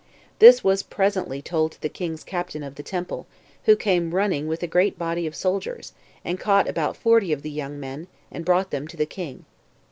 This was presently told to the king's captain of the temple, who came running with a great body of soldiers, and caught about forty of the young men, and brought them to the king.